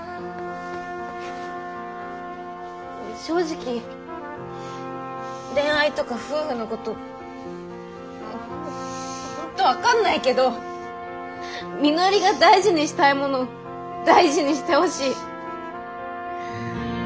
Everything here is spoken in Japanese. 正直恋愛とか夫婦のこと本当分かんないけどみのりが大事にしたいもの大事にしてほしい。